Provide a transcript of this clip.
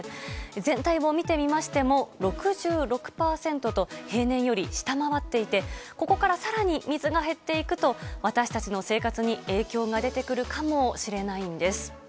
全体を見てみましても６６％と平年より下回っていてここから更に水が減っていくと私たちの生活に影響が出てくるかもしれないんです。